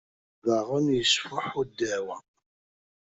Ddexxan yesfuḥuy ddeɛwa.